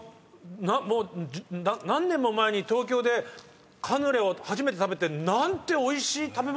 もう何年も前に東京でカヌレを初めて食べて何ておいしい食べ物なんだ。